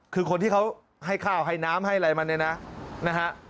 คือคนที่เขาให้ข้าวให้น้ำให้อะไรมันเนี่ยนะนะฮะ